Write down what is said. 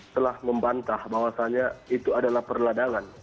telah membantah bahwasannya itu adalah perladangan